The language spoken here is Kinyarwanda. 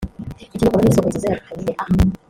Ikinyomoro n’isoko nziza ya Vitamin A